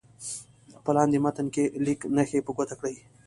په لاندې متن کې لیک نښې په ګوته کړئ.